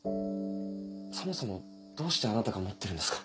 そもそもどうしてあなたが持ってるんですか？